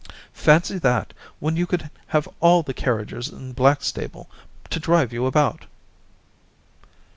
* Fancy that, when you could have all the carriages in Blackstable to drive you about